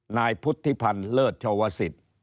นายพุทธิพันธ์เลิศเฉาะสิต